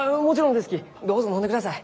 どうぞ飲んでください。